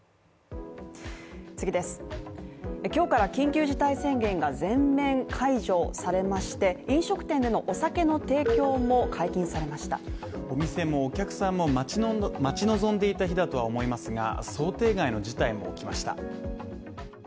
今日から緊急事態宣言が全面解除されまして、飲食店でのお酒の提供も解禁されましたお店もお客さんも待ち望んでいた日だとは思いますが、想定外の事態も起きました。